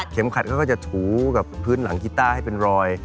ขัดเขาก็จะถูกับพื้นหลังกีต้าให้เป็นรอย